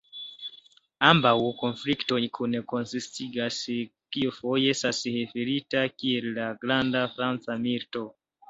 Ambaŭ konfliktoj kune konsistigas kio foje estas referita kiel la "'Granda Franca Milito'".